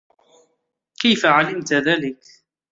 كيف علمتِ ذلك ؟